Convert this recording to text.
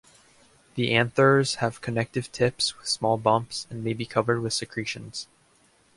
The anthers have connective tips with small bumps and may be covered with secretions.